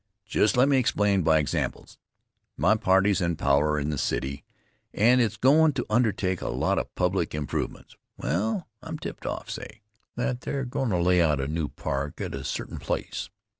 Just let me explain by examples. My party's in power in the city, and it's goin' to undertake a lot of public improvements. Well, I'm tipped off, say, that they're going to lay out a new park at a certain place.